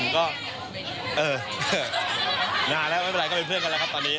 ก็เออนานแล้วเค้าเป็นเพื่อนกันแล้วครับตอนนี้